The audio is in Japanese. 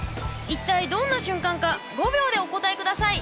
一体どんな瞬間か５秒でお答え下さい。